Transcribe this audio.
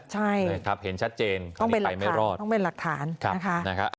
ใช่ต้องเป็นหลักฐานนะคะ